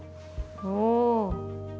おお。